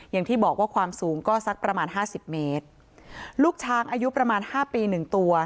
อย่างที่บอกว่าความสูงก็สักประมาณห้าสิบเมตรลูกช้างอายุประมาณห้าปีหนึ่งตัว